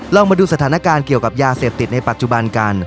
ลองมาดูสถานการณ์เกี่ยวกับยาเสพติดในปัจจุบันกัน